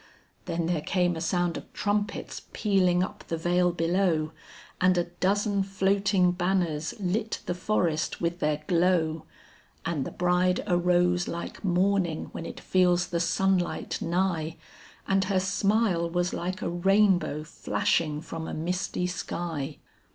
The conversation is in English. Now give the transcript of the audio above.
Then there came a sound of trumpets pealing up the vale below, And a dozen floating banners lit the forest with their glow, And the bride arose like morning when it feels the sunlight nigh, And her smile was like a rainbow flashing from a misty sky.